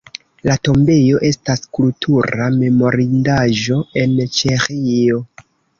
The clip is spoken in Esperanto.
La tombejo estas Kultura memorindaĵo en Ĉeĥio.